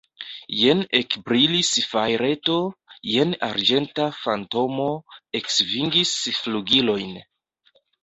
Jen ekbrilis fajreto, jen arĝenta fantomo eksvingis flugilojn.